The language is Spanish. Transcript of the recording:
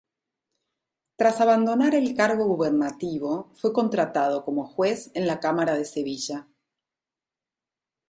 Tras abandonar el cargo gubernativo fue contratado como juez en la Cámara de Sevilla.